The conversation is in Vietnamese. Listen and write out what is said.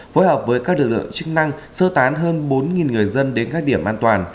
phối hợp với các lực lượng chức năng sơ tán hơn bốn người dân đến các điểm an toàn